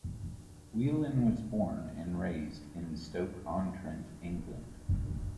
Whelan was born and raised in Stoke-on-Trent, England.